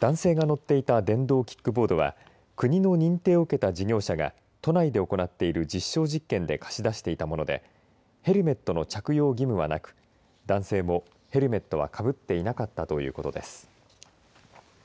男性が乗っていた電動キックボードは国の認定を受けた事業者が都内で行っている実証実験で貸し出していたものでヘルメットの着用義務はなく男性もヘルメットはかぶっていなかったということです。